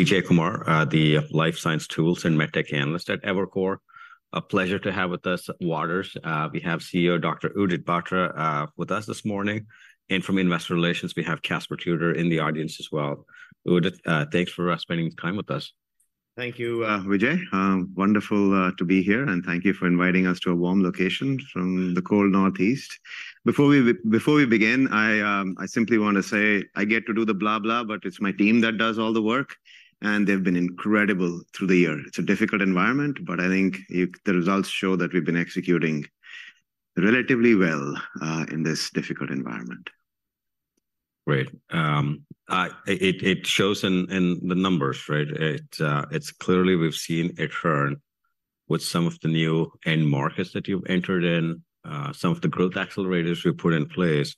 Vijay Kumar, the life science tools and MedTech analyst at Evercore. A pleasure to have with us Waters. We have Chief Executive Officer Dr. Udit Batra with us this morning, and from Investor Relations, we have Caspar Tudor in the audience as well. Udit, thanks for spending time with us. Thank you, Vijay. Wonderful to be here, and thank you for inviting us to a warm location from the cold Northeast. Before we begin, I simply wanna say I get to do the blah, blah, but it's my team that does all the work, and they've been incredible through the year. It's a difficult environment, but I think the results show that we've been executing relatively well in this difficult environment. Great. It shows in the numbers, right? It's clearly we've seen a turn with some of the new end markets that you've entered in some of the growth accelerators you put in place.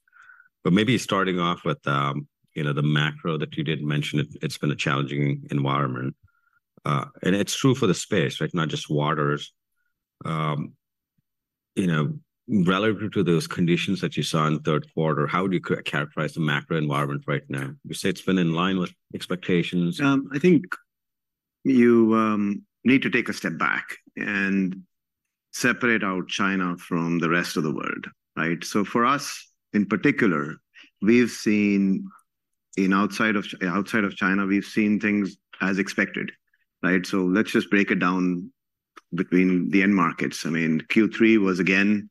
But maybe starting off with, you know, the macro that you did mention, it's been a challenging environment. And it's true for the space, right? Not just Waters. You know, relative to those conditions that you saw in the third quarter, how would you characterize the macro environment right now? You say it's been in line with expectations. I think you need to take a step back and separate out China from the rest of the world, right? So for us, in particular, we've seen outside of China, we've seen things as expected, right? So let's just break it down between the end markets. I mean, Q3 was again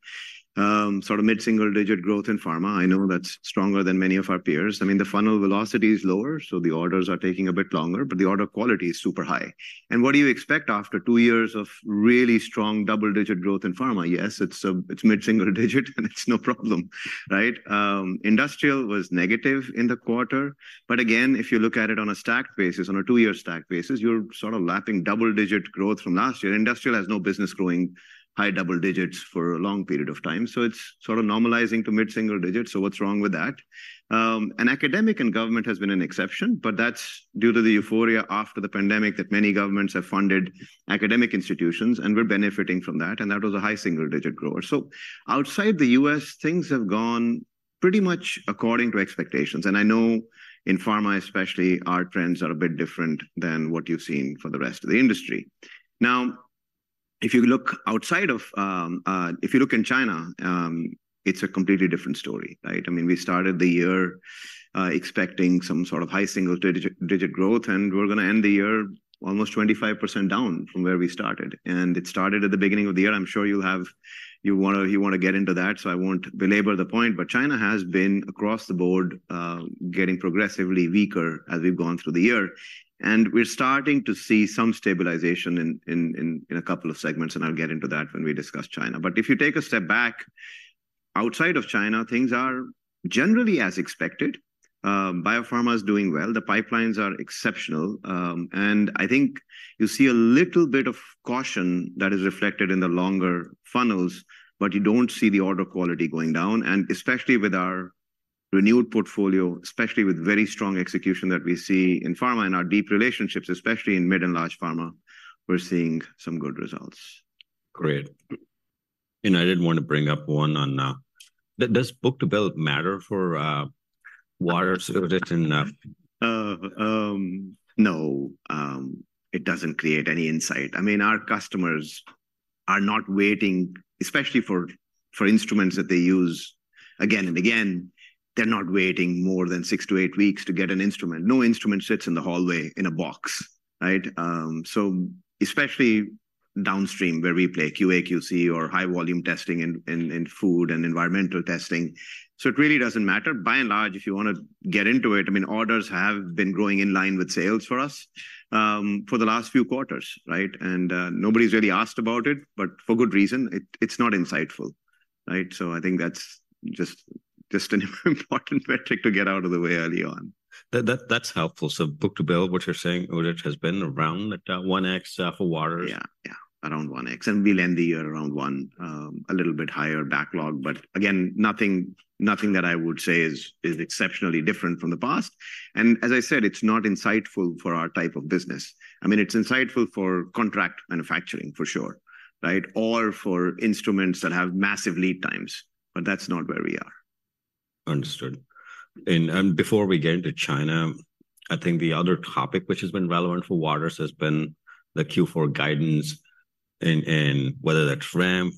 sort of mid-single-digit growth in pharma. I know that's stronger than many of our peers. I mean, the funnel velocity is lower, so the orders are taking a bit longer, but the order quality is super high. And what do you expect after two years of really strong double-digit growth in pharma? Yes, it's mid-single-digit, and it's no problem, right? Industrial was negative in the quarter, but again, if you look at it on a stacked basis, on a 2-year stacked basis, you're sort of lapping double-digit growth from last year. Industrial has no business growing high double digits for a long period of time, so it's sort of normalizing to mid-single digits, so what's wrong with that? And academic and government has been an exception, but that's due to the euphoria after the pandemic that many governments have funded academic institutions, and we're benefiting from that, and that was a high single-digit grower. So outside the U.S., things have gone pretty much according to expectations. And I know in pharma especially, our trends are a bit different than what you've seen for the rest of the industry. Now, if you look in China, it's a completely different story, right? I mean, we started the year expecting some sort of high single-digit growth, and we're gonna end the year almost 25% down from where we started, and it started at the beginning of the year. I'm sure you wanna get into that, so I won't belabor the point. But China has been, across the board, getting progressively weaker as we've gone through the year, and we're starting to see some stabilization in a couple of segments, and I'll get into that when we discuss China. But if you take a step back, outside of China, things are generally as expected. Biopharma is doing well. The pipelines are exceptional, and I think you see a little bit of caution that is reflected in the longer funnels, but you don't see the order quality going down, and especially with our renewed portfolio, especially with very strong execution that we see in pharma and our deep relationships, especially in mid and large pharma, we're seeing some good results. Great. And I did wanna bring up one on, does Book-to-bill matter for Waters with it in? No, it doesn't create any insight. I mean, our customers are not waiting, especially for instruments that they use again and again, they're not waiting more than six to eight weeks to get an instrument. No instrument sits in the hallway in a box, right? So especially downstream, where we play QA, QC, or high-volume testing in food and environmental testing, so it really doesn't matter. By and large, if you wanna get into it, I mean, orders have been growing in line with sales for us, for the last few quarters, right? And nobody's really asked about it, but for good reason. It, it's not insightful, right? So I think that's just an important metric to get out of the way early on. That's helpful. So book-to-bill, what you're saying, Udit, has been around 1x for Waters? Yeah, yeah, around 1x, and we'll end the year around one, a little bit higher backlog. But again, nothing, nothing that I would say is exceptionally different from the past, and as I said, it's not insightful for our type of business. I mean, it's insightful for contract manufacturing, for sure, right? Or for instruments that have massive lead times, but that's not where we are. Understood. And, and before we get into China, I think the other topic which has been relevant for Waters has been the Q4 guidance and, and whether the ramp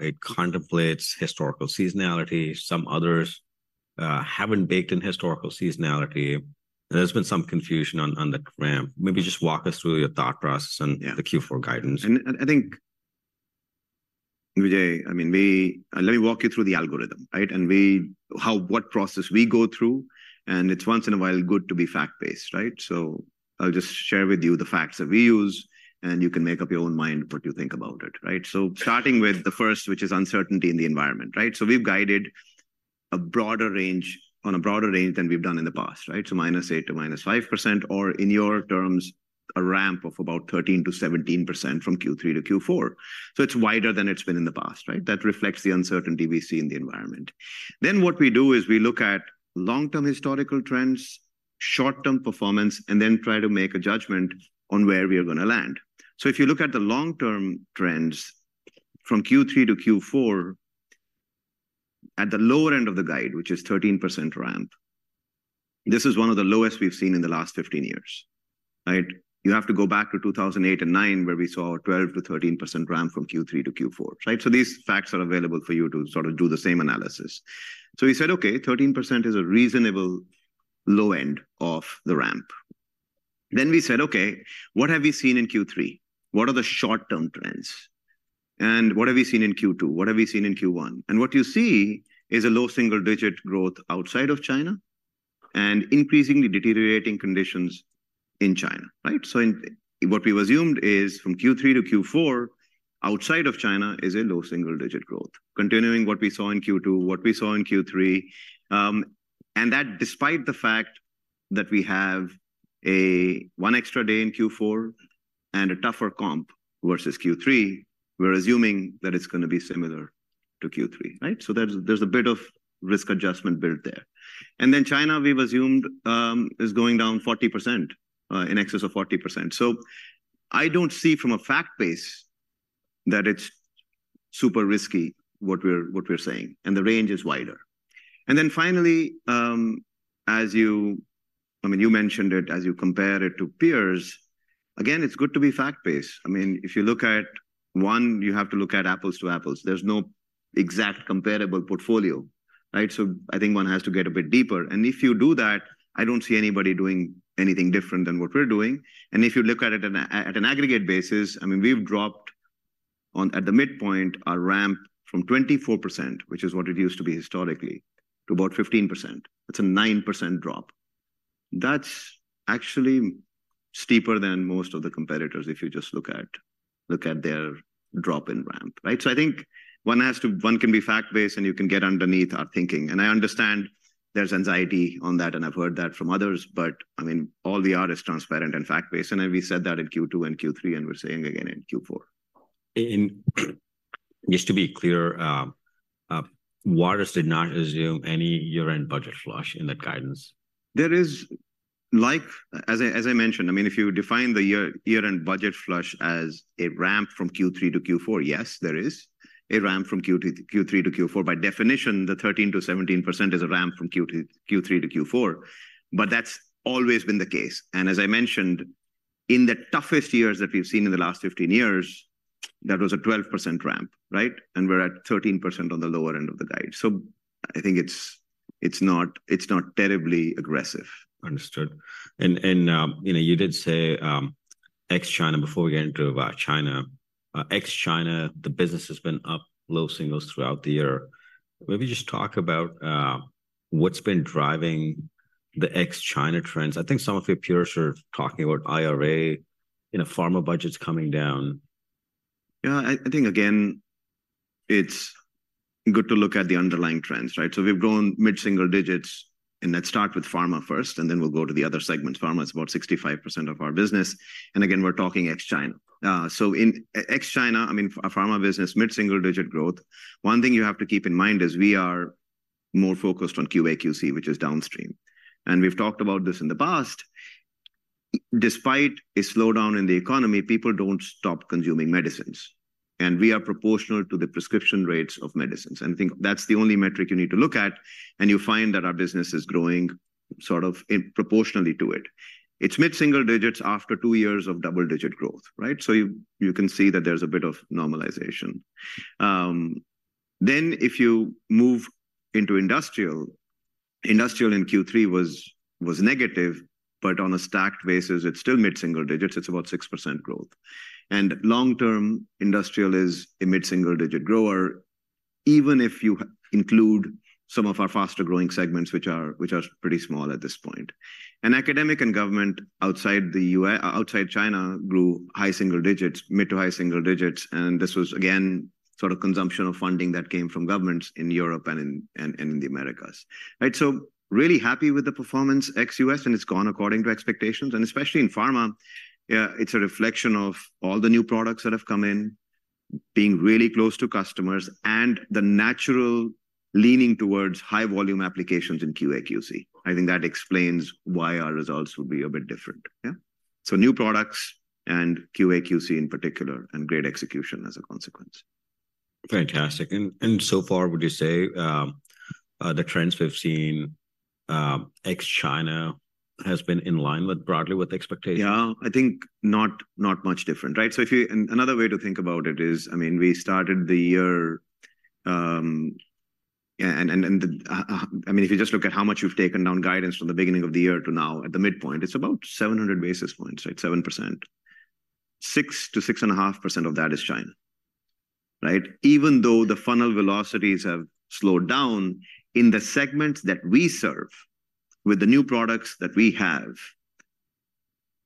it contemplates historical seasonality. Some others haven't baked in historical seasonality. There's been some confusion on, on the ramp. Maybe just walk us through your thought process and- Yeah... the Q4 guidance. I think, Vijay, I mean, let me walk you through the algorithm, right? And how, what process we go through, and it's once in a while good to be fact-based, right? So I'll just share with you the facts that we use, and you can make up your own mind what you think about it, right? So starting with the first, which is uncertainty in the environment, right? So we've guided a broader range, on a broader range than we've done in the past, right? So -8% to -5%, or in your terms, a ramp of about 13% to 17% from Q3 to Q4. So it's wider than it's been in the past, right? That reflects the uncertainty we see in the environment. Then, what we do is we look at long-term historical trends, short-term performance, and then try to make a judgment on where we are gonna land. So if you look at the long-term trends, from Q3 to Q4 at the lower end of the guide, which is 13% ramp, this is one of the lowest we've seen in the last 15 years, right? You have to go back to 2008 and 2009, where we saw a 12% to 13% ramp from Q3 to Q4, right? So these facts are available for you to sort of do the same analysis. So we said, "Okay, 13% is a reasonable low end of the ramp." Then we said: "Okay, what have we seen in Q3? What are the short-term trends, and what have we seen in Q2? What have we seen in Q1?" And what you see is a low single-digit growth outside of China, and increasingly deteriorating conditions in China, right? So, what we've assumed is from Q3 to Q4, outside of China is a low single-digit growth. Continuing what we saw in Q2, what we saw in Q3, and that despite the fact that we have one extra day in Q4 and a tougher comp versus Q3, we're assuming that it's gonna be similar to Q3, right? So there's, there's a bit of risk adjustment built there. And then China, we've assumed, is going down 40%, in excess of 40%. So I don't see from a fact base that it's super risky, what we're saying, and the range is wider. And then finally, as you-- I mean, you mentioned it, as you compare it to peers, again, it's good to be fact-based. I mean, if you look at one, you have to look at apples to apples. There's no exact comparable portfolio, right? So I think one has to get a bit deeper, and if you do that, I don't see anybody doing anything different than what we're doing. And if you look at it at an aggregate basis, I mean, we've dropped on at the midpoint, our ramp from 24%, which is what it used to be historically, to about 15%. That's a 9% drop. That's actually steeper than most of the competitors if you just look at their drop in ramp, right? So I think one has to one can be fact-based, and you can get underneath our thinking. I understand there's anxiety on that, and I've heard that from others, but, I mean, all the data is transparent and fact-based, and we said that in Q2 and Q3, and we're saying again in Q4. Just to be clear, Waters did not assume any year-end budget flush in that guidance? Like, as I mentioned, I mean, if you define the year-end budget flush as a ramp from Q3 to Q4, yes, there is a ramp from Q3 to Q4. By definition, the 13% to 17% is a ramp from Q3 to Q4, but that's always been the case. And as I mentioned, in the toughest years that we've seen in the last 15 years, that was a 12% ramp, right? And we're at 13% on the lower end of the guide. So I think it's not terribly aggressive. Understood. You know, you did say ex-China before we get into about China. ex-China, the business has been up low singles throughout the year. Maybe just talk about what's been driving the ex-China trends. I think some of your peers are talking about IRA, you know, pharma budgets coming down. Yeah, I think, again, it's good to look at the underlying trends, right? So we've grown mid-single digits, and let's start with pharma first, and then we'll go to the other segments. Pharma is about 65% of our business, and again, we're talking ex-China. So in ex-China, I mean, our pharma business, mid-single-digit growth. One thing you have to keep in mind is we are more focused on QA/QC, which is downstream. And we've talked about this in the past. Despite a slowdown in the economy, people don't stop consuming medicines, and we are proportional to the prescription rates of medicines. And I think that's the only metric you need to look at, and you find that our business is growing sort of in proportionally to it. It's mid-single digits after two years of double-digit growth, right? So you can see that there's a bit of normalization. Then if you move into industrial, industrial in Q3 was negative, but on a stacked basis, it's still mid-single digits. It's about 6% growth. And long term, industrial is a mid-single-digit grower even if you include some of our faster-growing segments, which are pretty small at this point. And academic and government outside the U.S., outside China grew high single digits, mid to high single digits, and this was, again, sort of consumption of funding that came from governments in Europe and in the Americas, right? So really happy with the performance ex-US, and it's gone according to expectations, and especially in pharma, it's a reflection of all the new products that have come in, being really close to customers, and the natural leaning towards high volume applications in QA/QC. I think that explains why our results will be a bit different. Yeah. So new products and QA/QC in particular, and great execution as a consequence. Fantastic. And so far, would you say the trends we've seen ex-China has been in line with, broadly, with expectations? Yeah, I think not, not much different, right? So if you... And another way to think about it is, I mean, we started the year. I mean, if you just look at how much you've taken down guidance from the beginning of the year to now, at the midpoint, it's about 700 basis points, right? 7%. 6% to 6.5% of that is China, right? Even though the funnel velocities have slowed down, in the segments that we serve with the new products that we have,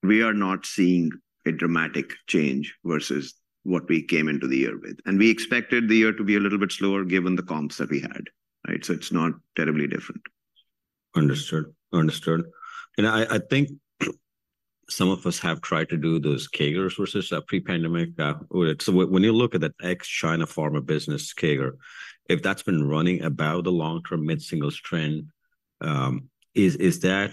we are not seeing a dramatic change versus what we came into the year with. And we expected the year to be a little bit slower given the comps that we had, right? So it's not terribly different. Understood. Understood. And I think some of us have tried to do those CAGRs versus pre-pandemic, so when you look at that ex-China pharma business CAGR, if that's been running about the long-term mid-singles trend, is that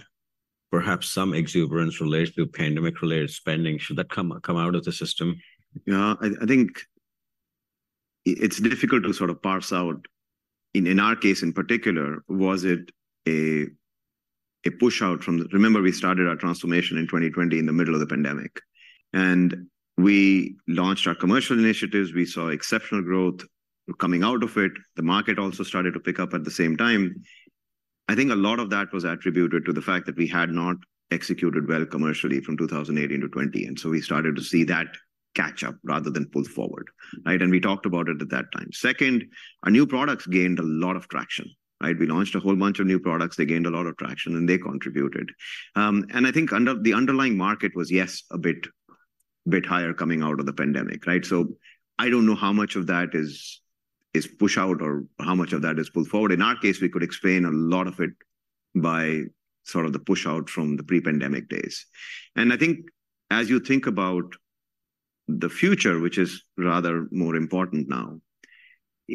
perhaps some exuberance related to pandemic-related spending should that come out of the system? Yeah, I think it's difficult to sort of parse out. In our case, in particular, was it a push out from. Remember we started our transformation in 2020 in the middle of the pandemic, and we launched our commercial initiatives. We saw exceptional growth coming out of it. The market also started to pick up at the same time. I think a lot of that was attributed to the fact that we had not executed well commercially from 2018 to 2020, and so we started to see that catch up rather than pull forward, right? And we talked about it at that time. Second, our new products gained a lot of traction, right? We launched a whole bunch of new products. They gained a lot of traction, and they contributed. And I think the underlying market was, yes, a bit higher coming out of the pandemic, right? So I don't know how much of that is push out or how much of that is pull forward. In our case, we could explain a lot of it by sort of the push out from the pre-pandemic days. And I think as you think about the future, which is rather more important now,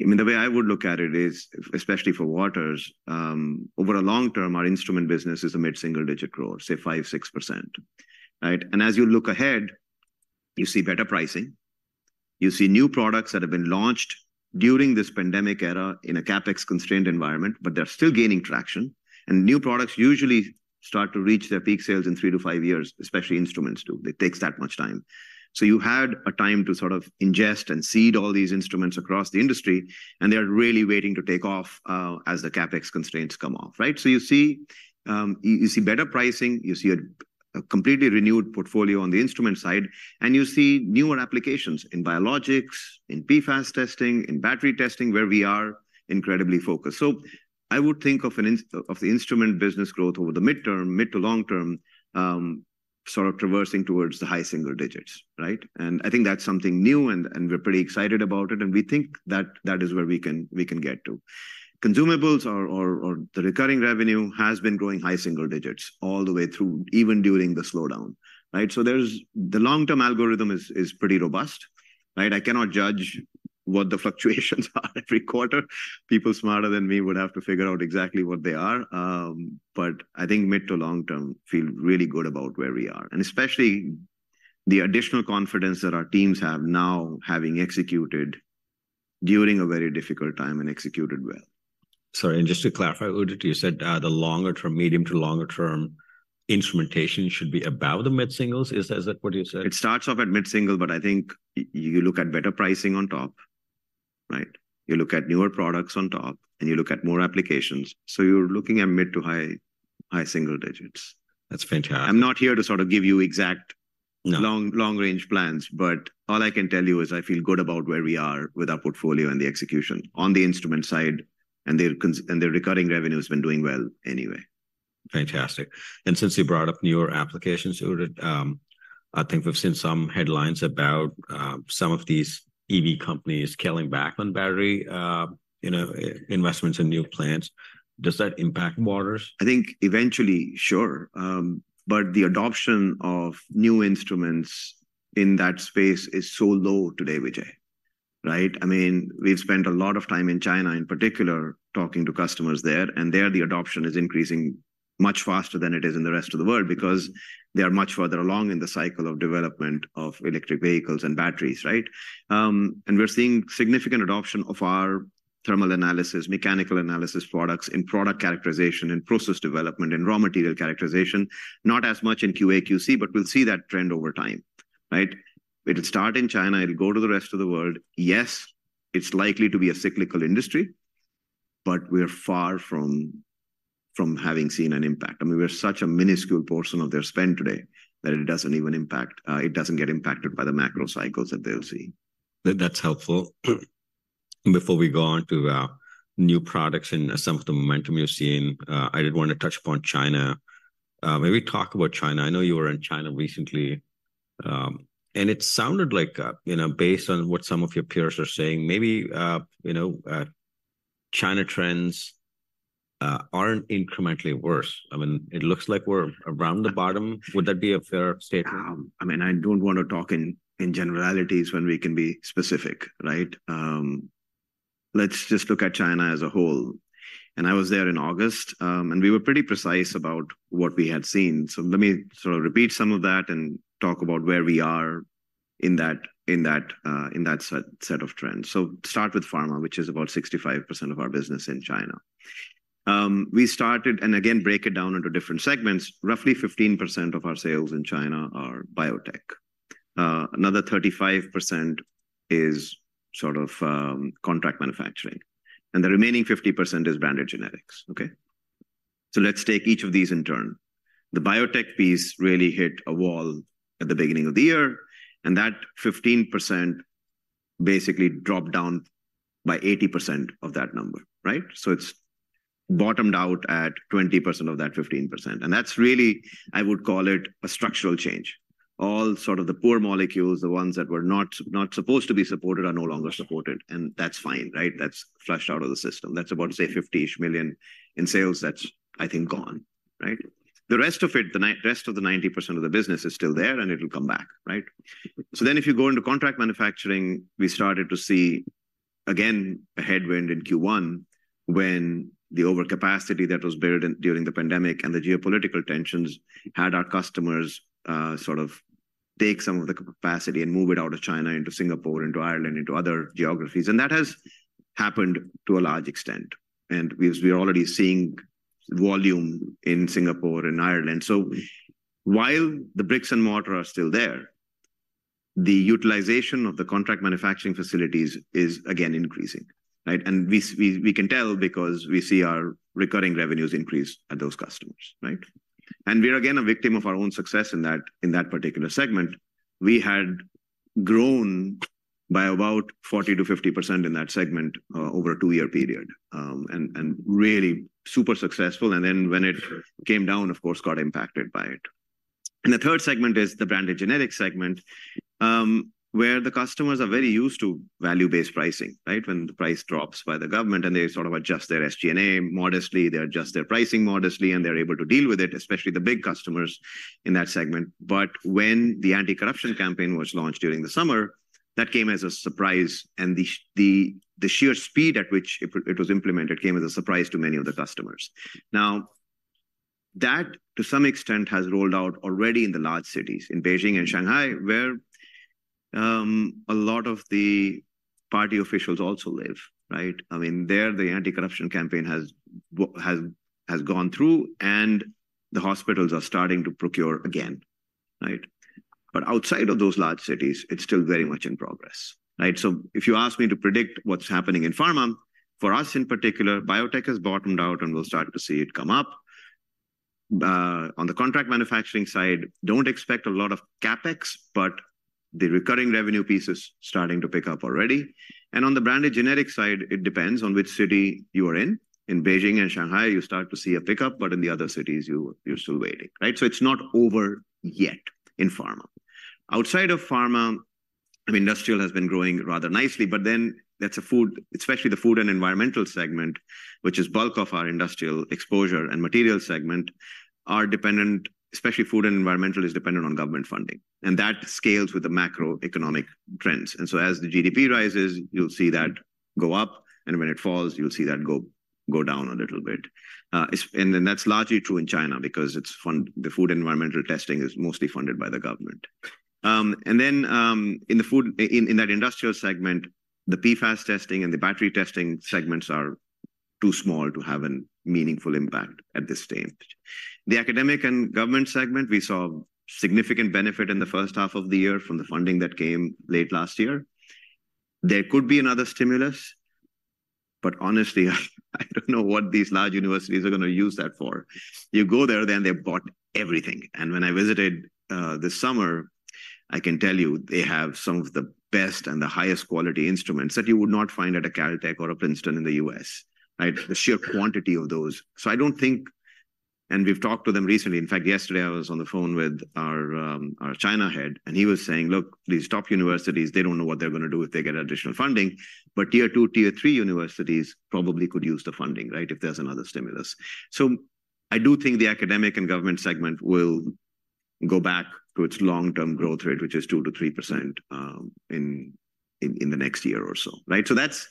I mean, the way I would look at it is, especially for Waters, over a long term, our instrument business is a mid-single-digit growth, say 5% to 6%, right? And as you look ahead, you see better pricing. You see new products that have been launched during this pandemic era in a CapEx-constrained environment, but they're still gaining traction. New products usually start to reach their peak sales in three to five years, especially instruments do. It takes that much time. So you had a time to sort of ingest and seed all these instruments across the industry, and they are really waiting to take off as the CapEx constraints come off, right? So you see better pricing, you see a completely renewed portfolio on the instrument side, and you see newer applications in biologics, in PFAS testing, in battery testing, where we are incredibly focused. So I would think of the instrument business growth over the midterm, mid to long term, sort of traversing towards the high single digits, right? I think that's something new, and we're pretty excited about it, and we think that that is where we can get to. Consumables or the recurring revenue has been growing high single digits all the way through, even during the slowdown, right? So there's... The long-term algorithm is pretty robust, right? I cannot judge what the fluctuations are every quarter. People smarter than me would have to figure out exactly what they are, but I think mid to long term, feel really good about where we are, and especially the additional confidence that our teams have now having executed during a very difficult time and executed well. Sorry, and just to clarify, Udit, you said, the longer term, medium to longer term instrumentation should be above the mid singles. Is that, is that what you said? It starts off at mid-single, but I think you look at better pricing on top, right? You look at newer products on top, and you look at more applications, so you're looking at mid- to high-single digits. That's fantastic. I'm not here to sort of give you exact- No Long, long range plans, but all I can tell you is I feel good about where we are with our portfolio and the execution on the instrument side, and their recurring revenue has been doing well anyway. Fantastic. And since you brought up newer applications, Udit, I think we've seen some headlines about some of these EV companies scaling back on battery, you know, investments in new plants. Does that impact Waters? I think eventually, sure. But the adoption of new instruments in that space is so low today, Vijay, right? I mean, we've spent a lot of time in China, in particular, talking to customers there, and there, the adoption is increasing much faster than it is in the rest of the world because they are much further along in the cycle of development of electric vehicles and batteries, right? And we're seeing significant adoption of our thermal analysis, mechanical analysis products in product characterization and process development, in raw material characterization. Not as much in QA, QC, but we'll see that trend over time, right? It'll start in China. It'll go to the rest of the world. Yes, it's likely to be a cyclical industry, but we're far from having seen an impact. I mean, we're such a minuscule portion of their spend today that it doesn't even impact, it doesn't get impacted by the macro cycles that they'll see. That, that's helpful. Before we go on to new products and some of the momentum you're seeing, I did wanna touch upon China. Maybe talk about China. I know you were in China recently, and it sounded like, you know, based on what some of your peers are saying, maybe, you know, China trends aren't incrementally worse. I mean, it looks like we're around the bottom. Would that be a fair statement? I mean, I don't wanna talk in generalities when we can be specific, right? Let's just look at China as a whole. And I was there in August, and we were pretty precise about what we had seen. So let me sort of repeat some of that and talk about where we are in that set of trends. So start with pharma, which is about 65% of our business in China. We started... And again, break it down into different segments. Roughly 15% of our sales in China are biotech. Another 35% is sort of contract manufacturing, and the remaining 50% is branded generics, okay? So let's take each of these in turn. The biotech piece really hit a wall at the beginning of the year, and that 15% basically dropped down by 80% of that number, right? So it's bottomed out at 20% of that 15%, and that's really, I would call it, a structural change. All sort of the poor molecules, the ones that were not, not supposed to be supported, are no longer supported, and that's fine, right? That's flushed out of the system. That's about, say, $50-ish million in sales that's, I think, gone, right? The rest of it, the nine- rest of the 90% of the business is still there, and it'll come back, right? So then if you go into contract manufacturing, we started to see-... Again, a headwind in Q1 when the overcapacity that was built in during the pandemic and the geopolitical tensions had our customers sort of take some of the capacity and move it out of China into Singapore, into Ireland, into other geographies. And that has happened to a large extent, and we're already seeing volume in Singapore and Ireland. So while the bricks and mortar are still there, the utilization of the contract manufacturing facilities is again increasing, right? And we can tell because we see our recurring revenues increase at those customers, right? And we are again a victim of our own success in that particular segment. We had grown by about 40% to 50% in that segment over a two-year period, and really super successful, and then when it came down, of course, got impacted by it. The third segment is the branded generics segment, where the customers are very used to value-based pricing, right? When the price drops by the government and they sort of adjust their SG&A modestly, they adjust their pricing modestly, and they're able to deal with it, especially the big customers in that segment. But when the anti-corruption campaign was launched during the summer, that came as a surprise, and the sheer speed at which it was implemented came as a surprise to many of the customers. Now, that, to some extent, has rolled out already in the large cities, in Beijing and Shanghai, where a lot of the party officials also live, right? I mean, there, the anti-corruption campaign has gone through, and the hospitals are starting to procure again, right? Outside of those large cities, it's still very much in progress, right? If you ask me to predict what's happening in pharma, for us, in particular, biotech has bottomed out, and we'll start to see it come up. On the contract manufacturing side, don't expect a lot of CapEx, but the recurring revenue piece is starting to pick up already. On the branded generic side, it depends on which city you are in. In Beijing and Shanghai, you start to see a pickup, but in the other cities, you're still waiting, right? It's not over yet in pharma. Outside of pharma, I mean, industrial has been growing rather nicely, but then that's a food, especially the food and environmental segment, which is bulk of our industrial exposure and material segment, are dependent, especially food and environmental, is dependent on government funding, and that scales with the macroeconomic trends. And so, as the GDP rises, you'll see that go up, and when it falls, you'll see that go down a little bit. It's and then that's largely true in China because it's funded, the food environmental testing is mostly funded by the government. And then, in the food, in that industrial segment, the PFAS testing and the battery testing segments are too small to have a meaningful impact at this stage. The academic and government segment, we saw significant benefit in the first half of the year from the funding that came late last year. There could be another stimulus, but honestly, I don't know what these large universities are gonna use that for. You go there, then they've bought everything. And when I visited this summer, I can tell you, they have some of the best and the highest quality instruments that you would not find at a Caltech or a Princeton in the U.S., right? The sheer quantity of those. So I don't think... And we've talked to them recently. In fact, yesterday, I was on the phone with our China head, and he was saying: "Look, these top universities, they don't know what they're gonna do if they get additional funding. But tier two, tier three universities probably could use the funding, right, if there's another stimulus." So I do think the academic and government segment will go back to its long-term growth rate, which is 2%-3%, in the next year or so, right? So that's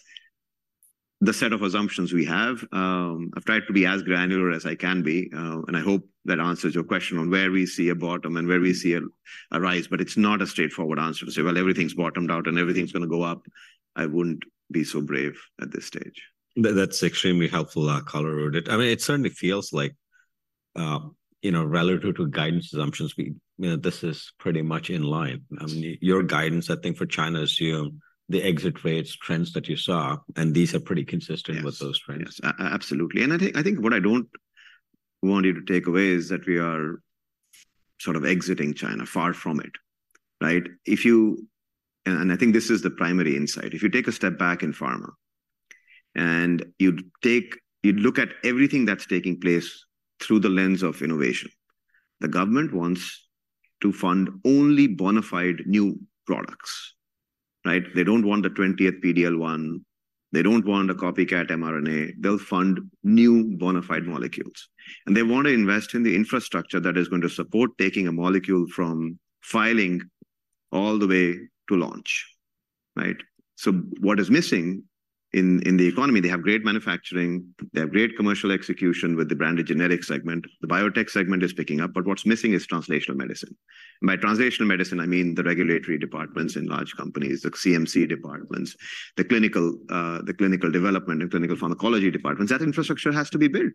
the set of assumptions we have. I've tried to be as granular as I can be, and I hope that answers your question on where we see a bottom and where we see a rise, but it's not a straightforward answer to say, "Well, everything's bottomed out, and everything's gonna go up." I wouldn't be so brave at this stage. That, that's extremely helpful, color on it. I mean, it certainly feels like, you know, relative to guidance assumptions, we, you know, this is pretty much in line. I mean, your guidance, I think, for China is, you know, the exit rates, trends that you saw, and these are pretty consistent, Yes. with those trends. Yes, absolutely, and I think, I think what I don't want you to take away is that we are sort of exiting China. Far from it, right? If you... and I think this is the primary insight. If you take a step back in pharma, and you look at everything that's taking place through the lens of innovation, the government wants to fund only bona fide new products, right? They don't want the twentieth PD-L1. They don't want a copycat mRNA. They'll fund new, bona fide molecules, and they want to invest in the infrastructure that is going to support taking a molecule from filing all the way to launch, right? So what is missing in the economy, they have great manufacturing. They have great commercial execution with the branded generic segment. The biotech segment is picking up, but what's missing is translational medicine. By translational medicine, I mean the regulatory departments in large companies, the CMC departments, the clinical development and clinical pharmacology departments. That infrastructure has to be built,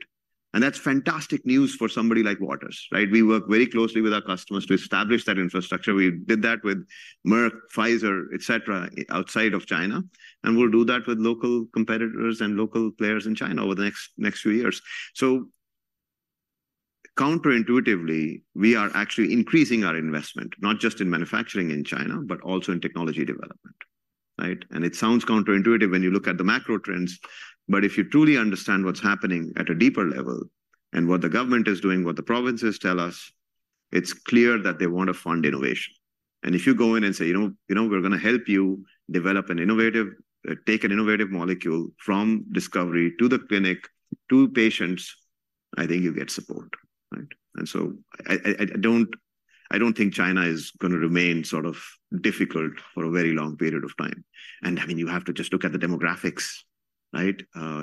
and that's fantastic news for somebody like Waters, right? We work very closely with our customers to establish that infrastructure. We did that with Merck, Pfizer, et cetera, outside of China, and we'll do that with local competitors and local players in China over the next few years. So counterintuitively, we are actually increasing our investment, not just in manufacturing in China, but also in technology development, right? And it sounds counterintuitive when you look at the macro trends, but if you truly understand what's happening at a deeper level and what the government is doing, what the provinces tell us, it's clear that they want to fund innovation. If you go in and say, "You know, you know, we're gonna help you develop an innovative, take an innovative molecule from discovery to the clinic to patients-"... I think you get support, right? And so I don't think China is gonna remain sort of difficult for a very long period of time. And, I mean, you have to just look at the demographics, right?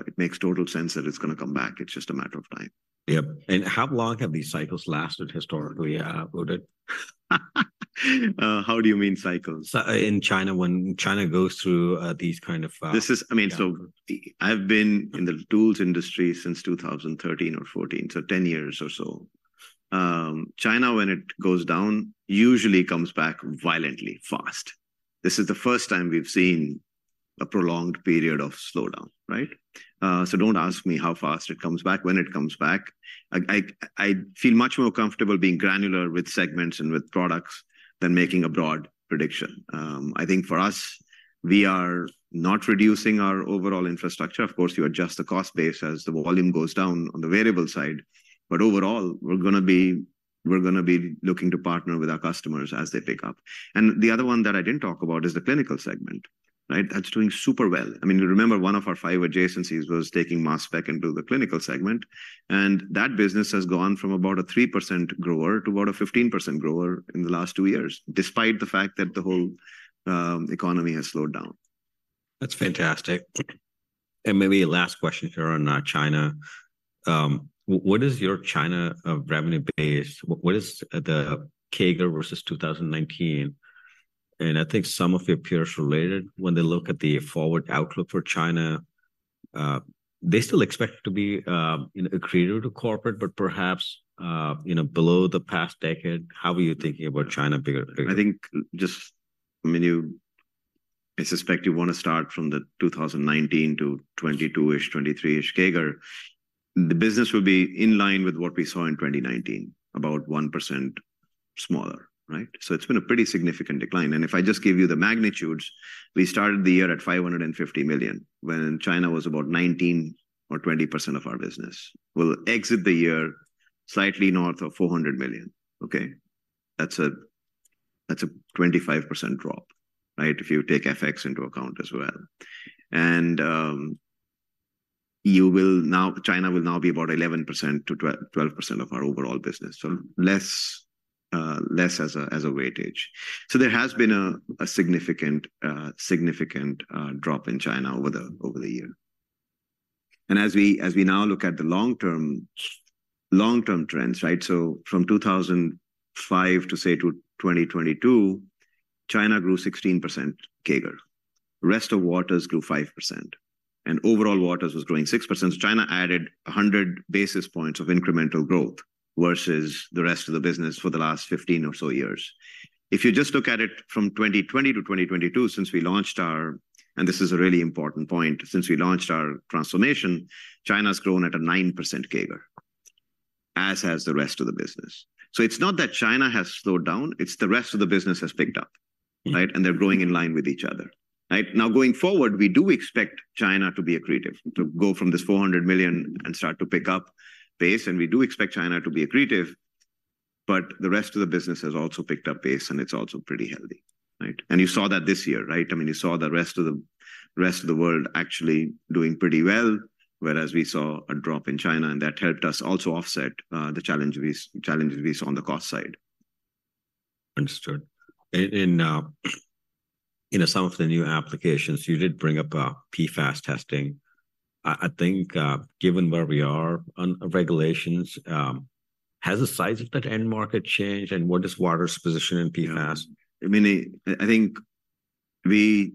It makes total sense that it's gonna come back. It's just a matter of time. Yep. And how long have these cycles lasted historically, Udit? How do you mean cycles? So in China, when China goes through these kind of I mean, so I've been in the tools industry since 2013 or 2014, so 10 years or so. China, when it goes down, usually comes back violently fast. This is the first time we've seen a prolonged period of slowdown, right? So don't ask me how fast it comes back when it comes back. I feel much more comfortable being granular with segments and with products than making a broad prediction. I think for us, we are not reducing our overall infrastructure. Of course, you adjust the cost base as the volume goes down on the variable side, but overall, we're gonna be looking to partner with our customers as they pick up. And the other one that I didn't talk about is the clinical segment, right? That's doing super well. I mean, you remember one of our five adjacencies was taking mass spec into the clinical segment, and that business has gone from about a 3% grower to about a 15% grower in the last two years, despite the fact that the whole economy has slowed down. That's fantastic. Maybe a last question here on China. What is your China revenue base? What is the CAGR versus 2019? I think some of your peers related when they look at the forward outlook for China, they still expect to be, you know, accretive to corporate, but perhaps, you know, below the past decade. How are you thinking about China bigger, bigger? I think just, I mean, you I suspect you wanna start from the 2019 to 2022-ish, 2023-ish CAGR. The business will be in line with what we saw in 2019, about 1% smaller, right? So it's been a pretty significant decline. And if I just give you the magnitudes, we started the year at $550 million, when China was about 19% or 20% of our business. We'll exit the year slightly north of $400 million, okay? That's a, that's a 25% drop, right? If you take FX into account as well. And, you will now China will now be about 11% to 12% of our overall business, so less, less as a, as a weightage. So there has been a, a significant, significant, drop in China over the, over the year. And as we now look at the long-term trends, right? So from 2005 to, say, 2022, China grew 16% CAGR. Rest of Waters grew 5%, and overall, Waters was growing 6%. So China added 100 basis points of incremental growth versus the rest of the business for the last 15 or so years. If you just look at it from 2020 to 2022, since we launched our... And this is a really important point. Since we launched our transformation, China grown at a 9% CAGR, as has the rest of the business. So it's not that China has slowed down, it's the rest of the business has picked up, right? And they're growing in line with each other, right? Now, going forward, we do expect China to be accretive, to go from this $400 million and start to pick up pace, and we do expect China to be accretive, but the rest of the business has also picked up pace, and it's also pretty healthy, right? And you saw that this year, right? I mean, you saw the rest of the world actually doing pretty well, whereas we saw a drop in China, and that helped us also offset the challenges we saw on the cost side. Understood. And, you know, some of the new applications you did bring up, PFAS testing. I think, given where we are on regulations, has the size of that end market changed, and what is Waters' position in PFAS? I mean, I think we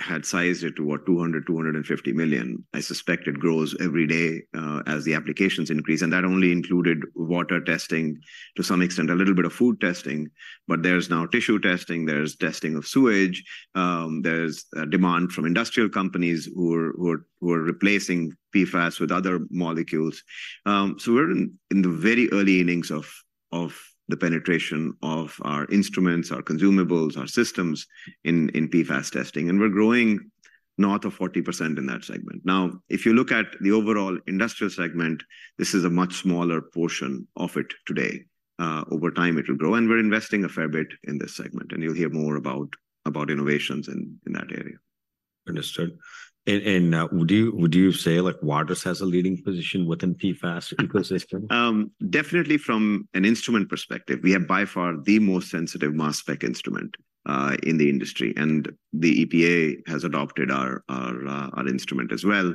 had sized it to, what? $200 million to $250 million. I suspect it grows every day as the applications increase, and that only included water testing, to some extent, a little bit of food testing, but there's now tissue testing, there's testing of sewage, there's a demand from industrial companies who are replacing PFAS with other molecules. So we're in the very early innings of the penetration of our instruments, our consumables, our systems in PFAS testing, and we're growing north of 40% in that segment. Now, if you look at the overall industrial segment, this is a much smaller portion of it today. Over time, it will grow, and we're investing a fair bit in this segment, and you'll hear more about innovations in that area. Understood. Would you say, like, Waters has a leading position within PFAS ecosystem? Definitely from an instrument perspective. We have, by far, the most sensitive mass spec instrument in the industry, and the EPA has adopted our instrument as well.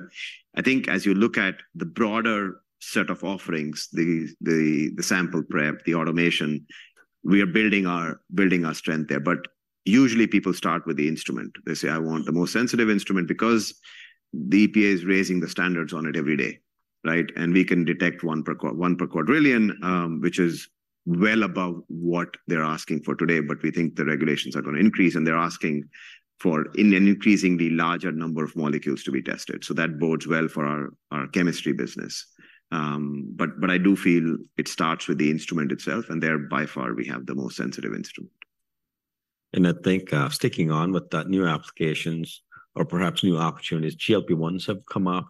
I think as you look at the broader set of offerings, the sample prep, the automation, we are building our strength there. But usually, people start with the instrument. They say, "I want the most sensitive instrument," because the EPA is raising the standards on it every day, right? And we can detect 1 per quadrillion, which is well above what they're asking for today, but we think the regulations are gonna increase, and they're asking for an increasingly larger number of molecules to be tested. So that bodes well for our chemistry business. But I do feel it starts with the instrument itself, and there, by far, we have the most sensitive instrument. I think sticking on with the new applications or perhaps new opportunities, GLP-1s have come up.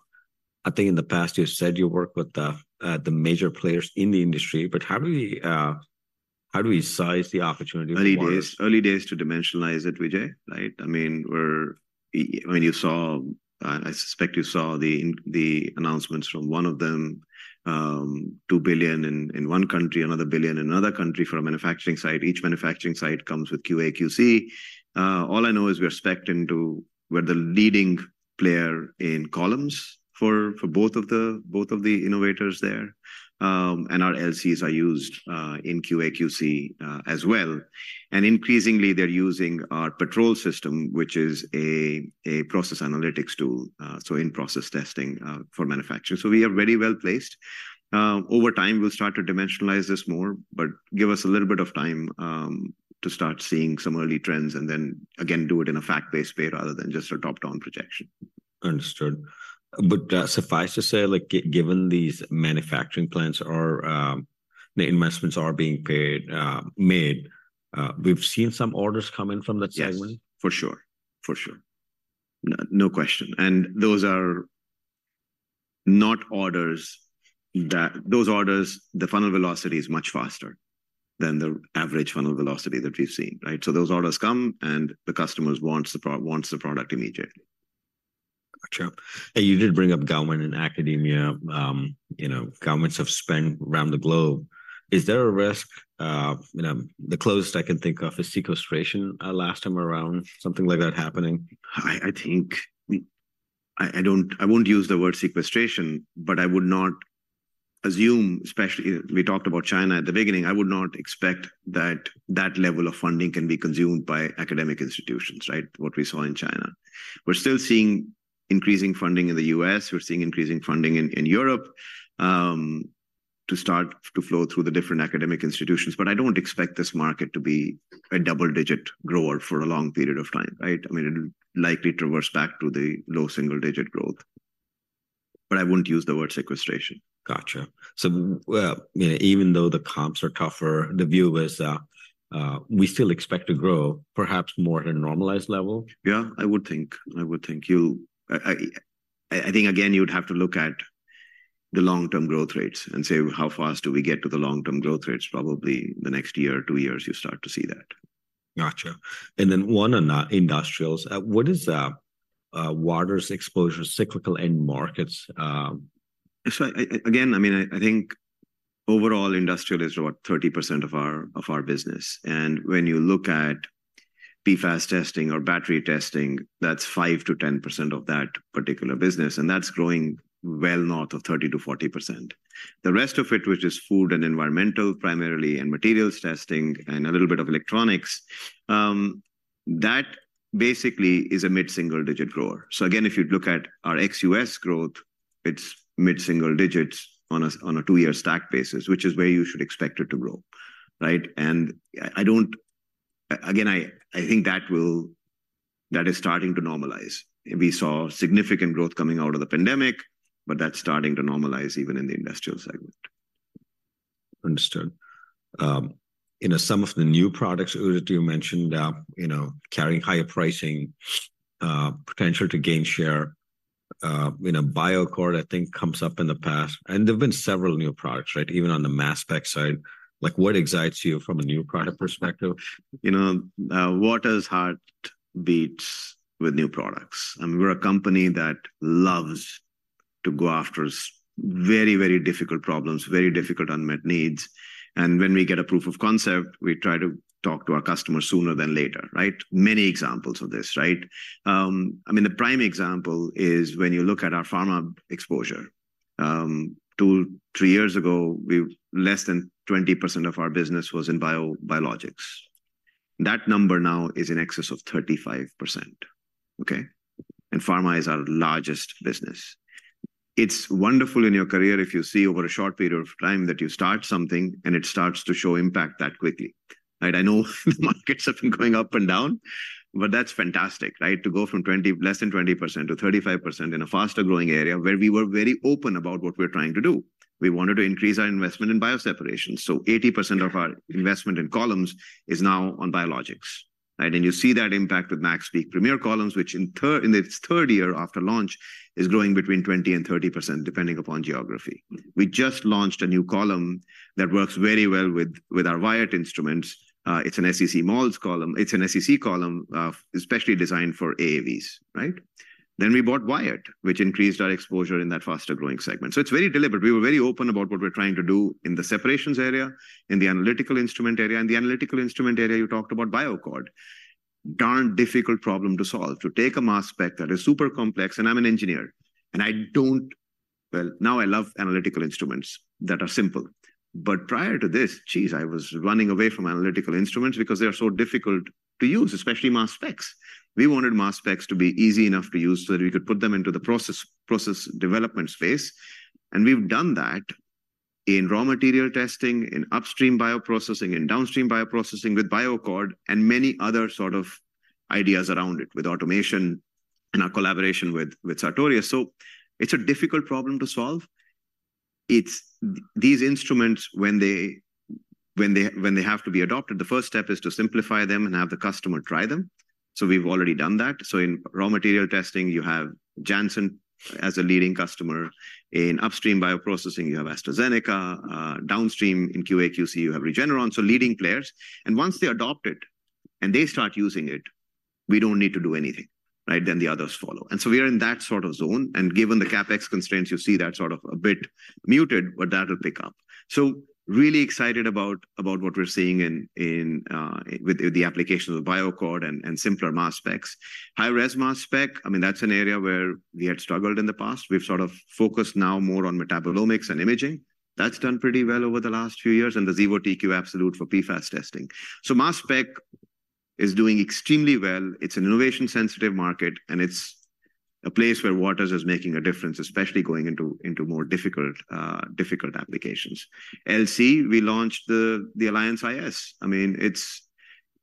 I think in the past, you said you work with the major players in the industry, but how do we size the opportunity for Waters? Early days, early days to dimensionalize it, Vijay, right? I mean, we're, when you saw, I suspect you saw the announcements from one of them, $2 billion in one country, $1 billion in another country for a manufacturing site. Each manufacturing site comes with QA/QC. All I know is we are spec'd into—we're the leading player in columns for both of the innovators there, and our LCs are used in QA/QC, as well. And increasingly, they're using our Patrol system, which is a process analytics tool, so in-process testing for manufacturing. So we are very well placed. Over time, we'll start to dimensionalize this more, but give us a little bit of time to start seeing some early trends and then, again, do it in a fact-based way rather than just a top-down projection. Understood. But, suffice to say, like, given these manufacturing plants are, the investments are being paid, made, we've seen some orders come in from that segment? Yes, for sure. For sure. No, no question. And those are not orders that... Those orders, the funnel velocity is much faster than the average funnel velocity that we've seen, right? So those orders come, and the customers wants the product immediately. Gotcha. Hey, you did bring up government and academia. You know, governments have spent around the globe. Is there a risk, you know, the closest I can think of is sequestration, last time around, something like that happening? I think we—I don't... I won't use the word sequestration, but I would not assume, especially we talked about China at the beginning, I would not expect that that level of funding can be consumed by academic institutions, right? What we saw in China. We're still seeing increasing funding in the U.S., we're seeing increasing funding in Europe to start to flow through the different academic institutions. But I don't expect this market to be a double-digit grower for a long period of time, right? I mean, it'll likely traverse back to the low single-digit growth. But I wouldn't use the word sequestration. Gotcha. So well, you know, even though the comps are tougher, the view is, we still expect to grow perhaps more at a normalized level? Yeah, I would think. I think, again, you'd have to look at the long-term growth rates and say, how fast do we get to the long-term growth rates? Probably the next year or two years, you start to see that. Gotcha. And then one on industrials. What is Waters' exposure to cyclical end markets? So again, I mean, I think overall industrial is about 30% of our business. And when you look at PFAS testing or battery testing, that's 5% to 10% of that particular business, and that's growing well north of 30% to 40%. The rest of it, which is food and environmental primarily, and materials testing, and a little bit of electronics, that basically is a mid-single-digit grower. So again, if you'd look at our ex-US growth, it's mid-single digits on a two-year stack basis, which is where you should expect it to grow, right? And I don't. Again, I think that will. That is starting to normalize. We saw significant growth coming out of the pandemic, but that's starting to normalize even in the industrial segment. Understood. You know, some of the new products, earlier you mentioned, you know, carrying higher pricing, potential to gain share. You know, BioAccord, I think, comes up in the past, and there've been several new products, right? Even on the mass spec side. Like, what excites you from a new product perspective? You know, Waters' heart beats with new products, and we're a company that loves to go after very, very difficult problems, very difficult unmet needs. And when we get a proof of concept, we try to talk to our customers sooner than later, right? Many examples of this, right? I mean, the prime example is when you look at our pharma exposure. two to three years ago, we less than 20% of our business was in bio, biologics. That number now is in excess of 35%, okay? And pharma is our largest business. It's wonderful in your career if you see over a short period of time that you start something, and it starts to show impact that quickly, right? I know the markets have been going up and down, but that's fantastic, right? To go from 20, less than 20% to 35% in a faster-growing area where we were very open about what we're trying to do. We wanted to increase our investment in bioseparations, so 80% of our investment in columns is now on biologics, right? And you see that impact with MaxPeak Premier columns, which in third, in its third year after launch, is growing between 20% and 30%, depending upon geography. We just launched a new column that works very well with, with our Wyatt instruments. It's an SEC-MALS column. It's an SEC column, especially designed for AAVs, right? Then we bought Wyatt, which increased our exposure in that faster-growing segment. So it's very deliberate. We were very open about what we're trying to do in the separations area, in the analytical instrument area. In the analytical instrument area, you talked about BioAccord. Darn difficult problem to solve. To take a mass spec that is super complex, and I'm an engineer, and I don't. Well, now I love analytical instruments that are simple, but prior to this, geez, I was running away from analytical instruments because they are so difficult to use, especially mass specs. We wanted mass specs to be easy enough to use so that we could put them into the process, process development space, and we've done that in raw material testing, in upstream bioprocessing, in downstream bioprocessing, with BioAccord, and many other sort of ideas around it, with automation and our collaboration with Sartorius. So it's a difficult problem to solve. It's these instruments. When they have to be adopted, the first step is to simplify them and have the customer try them. So we've already done that. So in raw material testing, you have Janssen as a leading customer. In upstream bioprocessing, you have AstraZeneca. Downstream, in QA/QC, you have Regeneron, so leading players. And once they adopt it, and they start using it. We don't need to do anything, right? Then the others follow. And so we are in that sort of zone, and given the CapEx constraints, you see that sort of a bit muted, but that'll pick up. So really excited about what we're seeing in with the application of the BioAccord and simpler mass specs. High-res mass spec, I mean, that's an area where we had struggled in the past. We've sort of focused now more on metabolomics and imaging. That's done pretty well over the last few years, and the Xevo TQ Absolute for PFAS testing. So mass spec is doing extremely well. It's an innovation-sensitive market, and it's a place where Waters is making a difference, especially going into more difficult applications. LC, we launched the Alliance iS. I mean, it's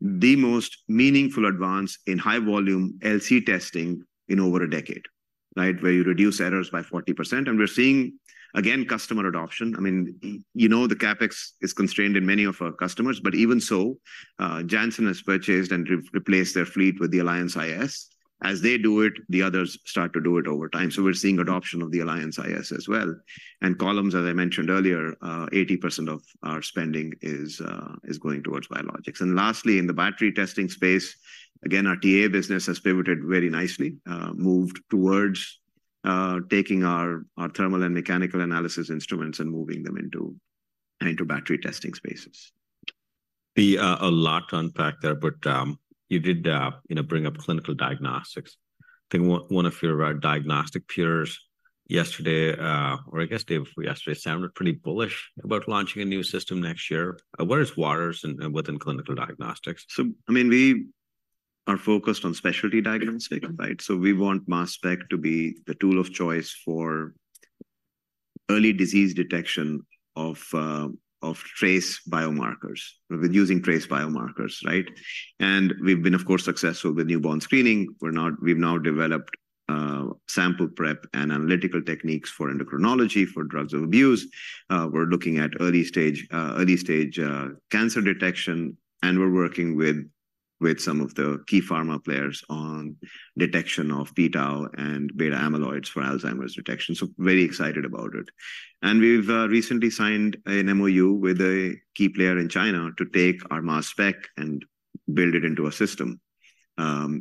the most meaningful advance in high-volume LC testing in over a decade, right? Where you reduce errors by 40%, and we're seeing, again, customer adoption. I mean, you know the CapEx is constrained in many of our customers, but even so, Janssen has purchased and replaced their fleet with the Alliance iS. As they do it, the others start to do it over time. So we're seeing adoption of the Alliance iS as well. And columns, as I mentioned earlier, 80% of our spending is going towards biologics. Lastly, in the battery testing space, again, our TA business has pivoted very nicely, moved towards taking our thermal and mechanical analysis instruments and moving them into battery testing spaces. A lot to unpack there, but you did, you know, bring up clinical diagnostics. I think one of your diagnostic peers yesterday, or I guess day before yesterday, sounded pretty bullish about launching a new system next year. Where is Waters in, within clinical diagnostics? So, I mean, we are focused on specialty diagnostics, right? So we want mass spec to be the tool of choice for early disease detection of trace biomarkers, with using trace biomarkers, right? And we've recently signed an MOU with a key player in China to take our mass spec and build it into a system,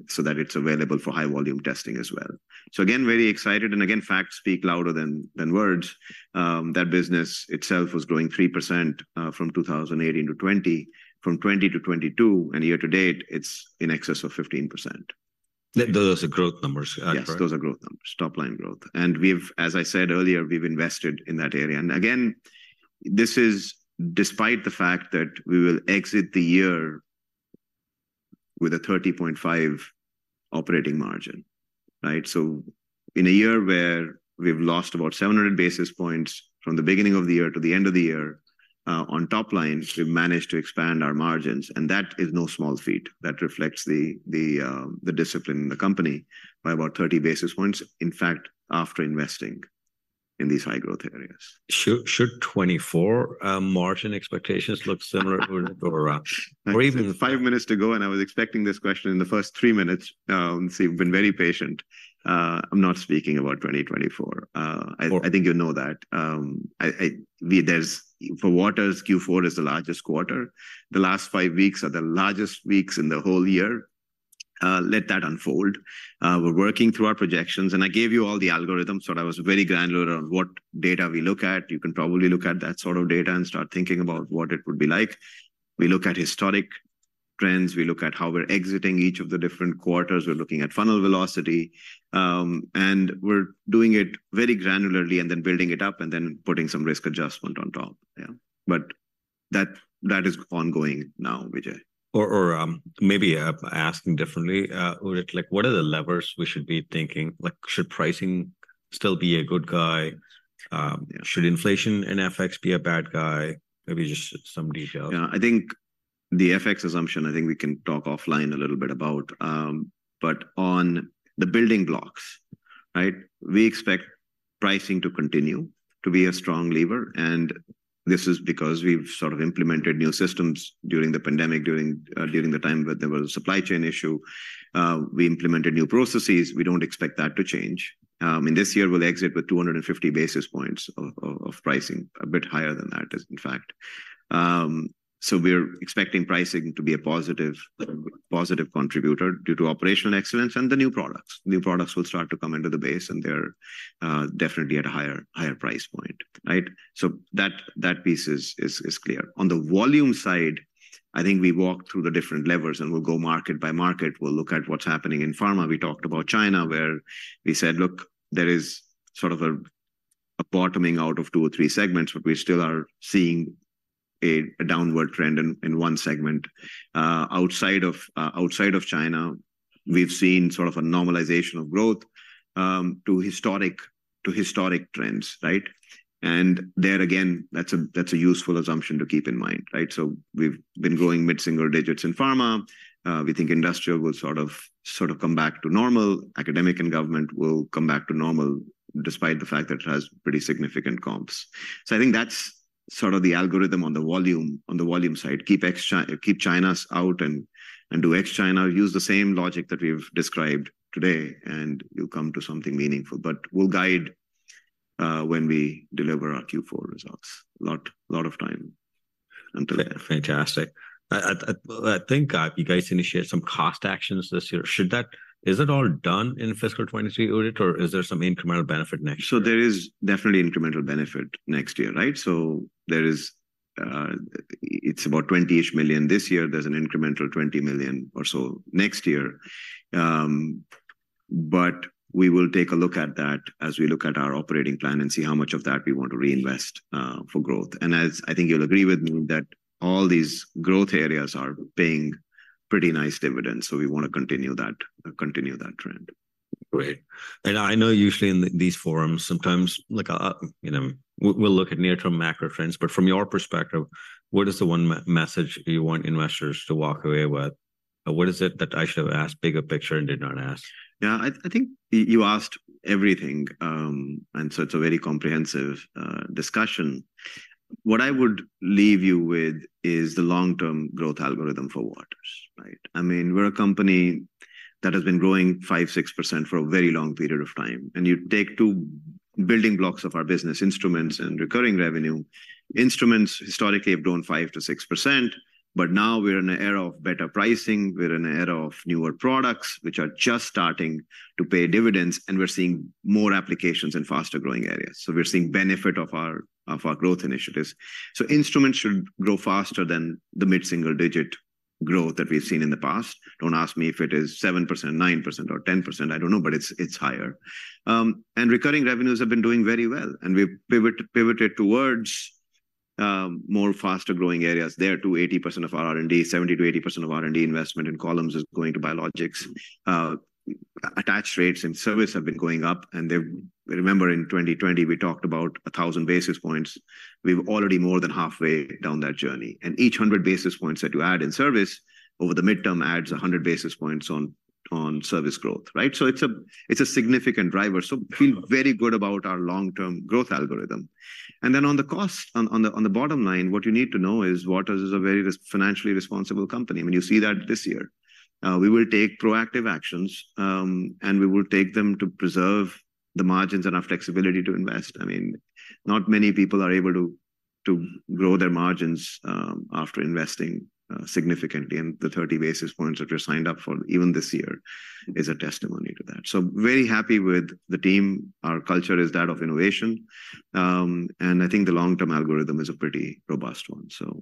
so that it's available for high-volume testing as well. So again, very excited, and again, facts speak louder than words. That business itself was growing 3%, from 2018 to 2020, from 2020 to 2022, and year to date, it's in excess of 15%. Those are growth numbers, correct? Yes, those are growth numbers, top-line growth. And we've, as I said earlier, we've invested in that area. And again, this is despite the fact that we will exit the year with a 30.5 operating margin, right? So in a year where we've lost about 700 basis points from the beginning of the year to the end of the year on top line, we've managed to expand our margins, and that is no small feat. That reflects the discipline in the company by about 30 basis points, in fact, after investing in these high-growth areas. Should 2024 margin expectations look similar or even- Five minutes to go, and I was expecting this question in the first three minutes. So you've been very patient. I'm not speaking about 2024. Oh. I think you know that. For Waters, Q4 is the largest quarter. The last five weeks are the largest weeks in the whole year. Let that unfold. We're working through our projections, and I gave you all the algorithms, so I was very granular on what data we look at. You can probably look at that sort of data and start thinking about what it would be like. We look at historic trends, we look at how we're exiting each of the different quarters, we're looking at funnel velocity, and we're doing it very granularly and then building it up and then putting some risk adjustment on top. Yeah, but that is ongoing now, Vijay. Or maybe asking differently, like what are the levers we should be thinking? Like, should pricing still be a good guy? Should inflation and FX be a bad guy? Maybe just some details. Yeah, I think the FX assumption, I think we can talk offline a little bit about, but on the building blocks, right, we expect pricing to continue to be a strong lever, and this is because we've sort of implemented new systems during the pandemic, during the time where there was a supply chain issue. We implemented new processes. We don't expect that to change. And this year, we'll exit with 250 basis points of pricing, a bit higher than that, in fact. So we're expecting pricing to be a positive contributor due to operational excellence and the new products. New products will start to come into the base, and they're definitely at a higher price point, right? So that piece is clear. On the volume side, I think we walked through the different levers, and we'll go market by market. We'll look at what's happening in pharma. We talked about China, where we said, "Look, there is sort of a bottoming out of two or three segments, but we still are seeing a downward trend in one segment." Outside of China, we've seen sort of a normalization of growth to historic trends, right? And there again, that's a useful assumption to keep in mind, right? So we've been growing mid-single digits in pharma. We think industrial will sort of come back to normal. Academic and government will come back to normal, despite the fact that it has pretty significant comps. So I think that's sort of the algorithm on the volume side. Keep ex-China. Keep China's out and do ex-China. Use the same logic that we've described today, and you'll come to something meaningful. But we'll guide when we deliver our Q4 results. Not a lot of time until then. Fantastic. I think you guys initiated some cost actions this year. Is it all done in fiscal 2023, Udit, or is there some incremental benefit next year? So there is definitely incremental benefit next year, right? So there is, it's about $20-ish million this year. There's an incremental $20 million or so next year. But we will take a look at that as we look at our operating plan and see how much of that we want to reinvest for growth. And as I think you'll agree with me that all these growth areas are paying pretty nice dividends, so we wanna continue that, continue that trend. Great. And I know usually in these forums, sometimes, like, you know, we'll look at near-term macro trends, but from your perspective, what is the one message you want investors to walk away with? What is it that I should have asked bigger picture and did not ask? Yeah, I think you asked everything, and so it's a very comprehensive discussion. What I would leave you with is the long-term growth algorithm for Waters, right? I mean, we're a company that has been growing 5-6% for a very long period of time, and you take two building blocks of our business, instruments and recurring revenue. Instruments historically have grown 5% to 6%, but now we're in an era of better pricing. We're in an era of newer products, which are just starting to pay dividends, and we're seeing more applications in faster-growing areas, so we're seeing benefit of our growth initiatives. So instruments should grow faster than the mid-single-digit growth that we've seen in the past. Don't ask me if it is 7%, 9%, or 10%. I don't know, but it's higher. And recurring revenues have been doing very well, and we've pivoted towards more faster-growing areas. There, too, 80% of R&D—70% to 80% of R&D investment in columns is going to biologics. Attach rates and service have been going up, and they... Remember in 2020, we talked about 1,000 basis points. We're already more than halfway down that journey, and each 100 basis points that you add in service over the midterm adds 100 basis points on service growth, right? So it's a significant driver, so feel very good about our long-term growth algorithm. And then on the cost, on the bottom line, what you need to know is Waters is a very financially responsible company, and you see that this year. We will take proactive actions, and we will take them to preserve the margins and our flexibility to invest. I mean, not many people are able to grow their margins after investing significantly, and the 30 basis points that we're signed up for even this year is a testimony to that. So very happy with the team. Our culture is that of innovation, and I think the long-term algorithm is a pretty robust one. So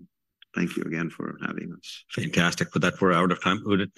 thank you again for having us. Fantastic. But that we're out of time, Udit.